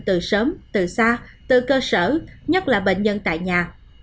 từ sớm từ xa từ cơ sở nhất là bệnh nhân tại nhà